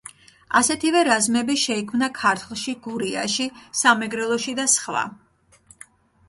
ასეთივე რაზმები შეიქმნა ქართლში, გურიაში, სამეგრელოში და სხვა.